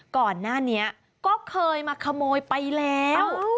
ก่อนหน้านี้ก็เคยมาขโมยไปแล้ว